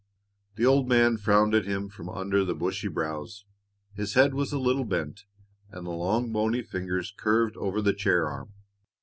The old man frowned at him from under the bushy brows. His head was a little bent, and the long, bony fingers curved over the chair arm.